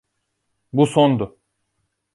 Bu sondu.